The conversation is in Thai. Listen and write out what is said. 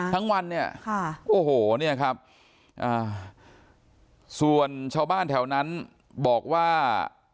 ทั้งวันเนี่ยโอ้โหเนี่ยครับส่วนชาวบ้านแถวนั้นบอกว่า